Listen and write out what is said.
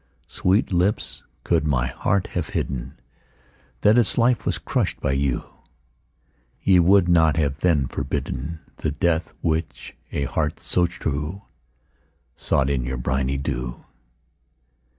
_15 4. Sweet lips, could my heart have hidden That its life was crushed by you, Ye would not have then forbidden The death which a heart so true Sought in your briny dew.